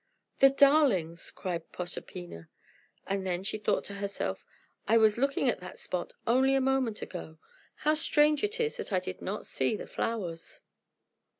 "The darlings!" cried Proserpina; and then she thought to herself, "I was looking at that spot only a moment ago. How strange it is that I did not see the flowers!"